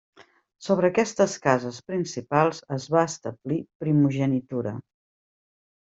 Sobre aquestes cases principals es va establir primogenitura.